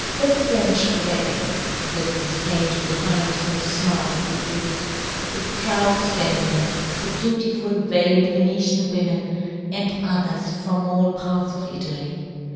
" The French braggart with his " page behind him fmartly equipped, " the proud Spaniard, the beautiful " veiled Venetian women, and others " from all parts of Italy.